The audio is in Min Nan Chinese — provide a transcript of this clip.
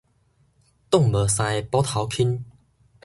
擋無三下斧頭銎